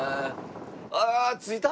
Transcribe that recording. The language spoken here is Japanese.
ああ着いた？